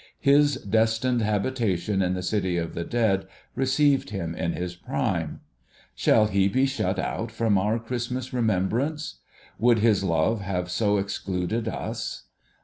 His destined habitation in the City of the Dead received him in his prime. Shall he be shut out from our Christmas remembrance ? Would his love have so excluded us